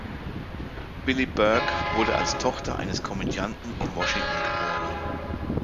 Billie Burke wurde als Tochter eines Komödianten in Washington geboren.